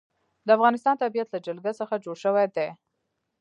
د افغانستان طبیعت له جلګه څخه جوړ شوی دی.